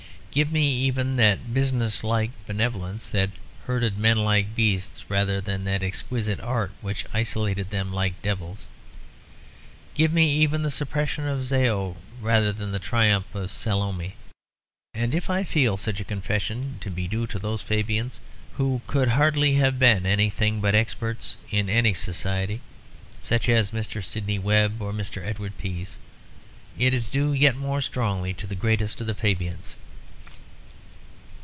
Give me even that business like benevolence that herded men like beasts rather than that exquisite art which isolated them like devils; give me even the suppression of "Zæo" rather than the triumph of "Salome." And if I feel such a confession to be due to those Fabians who could hardly have been anything but experts in any society, such as Mr. Sidney Webb or Mr. Edward Pease, it is due yet more strongly to the greatest of the Fabians.